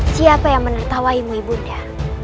siapa yang menertawaimu ibunda